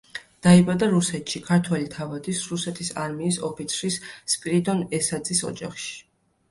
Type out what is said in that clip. დაიბადა რუსეთში, ქართველი თავადის, რუსეთის არმიის ოფიცრის სპირიდონ ესაძის ოჯახში.